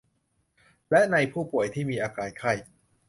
และในผู้ป่วยที่มีอาการไข้